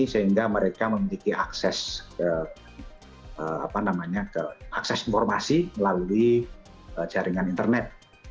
sehingga mereka memiliki akses informasi melalui jaringan internet